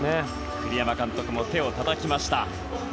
栗山監督も手をたたきました。